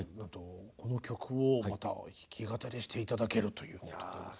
この曲をまた弾き語りして頂けるということで。